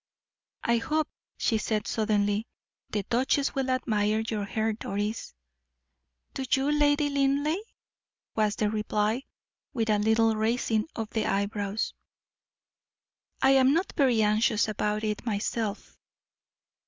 "I hope," she said, suddenly, "the duchess will admire your hair, Doris." "Do you, Lady Linleigh?" was the reply, with a little raising of the eyebrows. "I am not very anxious about it myself."